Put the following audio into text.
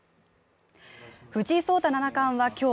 藤井聡太七冠は今日